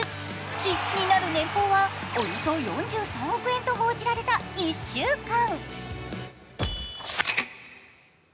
気になる年俸はおよそ４３億円と報じられた１週間。